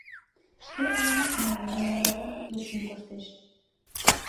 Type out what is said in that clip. Шке авамак мыйын лӱмнерем луктын коштеш.